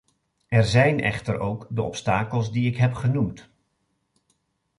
Er zijn echter ook de obstakels die ik heb genoemd.